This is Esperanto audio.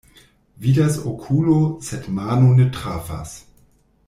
Vidas okulo, sed mano ne trafas.